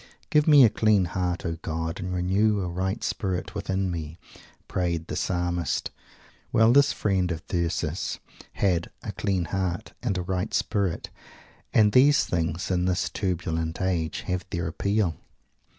"Give me a clean heart, O God, and renew a right spirit within me!" prayed the Psalmist. Well! this friend of Thyrsis had "a clean heart" and "a right spirit"; and these things, in this turbulent age, have their appeal!